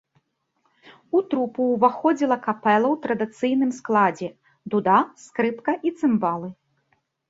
У трупу ўваходзілі капэла ў традыцыйным складзе дуда, скрыпка і цымбалы.